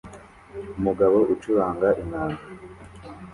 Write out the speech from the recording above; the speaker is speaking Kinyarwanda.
Umugabo ucuranga inanga